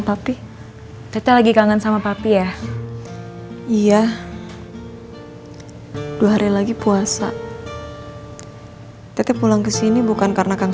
tapi teteh lagi kangen sama papi ya iya dua hari lagi puasa tete pulang ke sini bukan karena kan